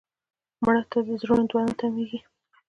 مړه ته د زړونو دعا نه تمېږي